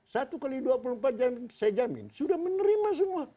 satu x dua puluh empat jam saya jamin sudah menerima semua